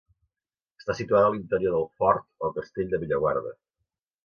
Està situada a l'interior del Fort o Castell de Bellaguarda.